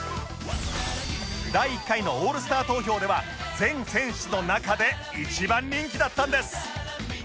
第１回のオールスター投票では全選手の中で一番人気だったんです